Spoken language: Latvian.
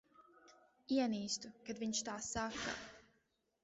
Ienīstu, kad viņš tā saka.